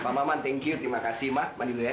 pak maman thank you terima kasih mbak mandi dulu ya